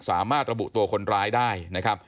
สามารถระบุตัวคนร้ายได้นะครับ